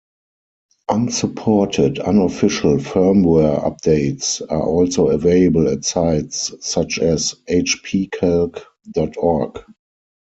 Unsupported unofficial firmware updates are also available at sites such as hpcalc dot org.